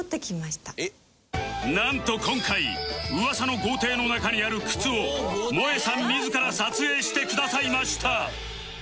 なんと今回噂の豪邸の中にある靴をもえさん自ら撮影してくださいました